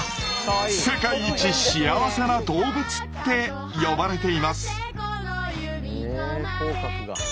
「世界一幸せな動物」って呼ばれています。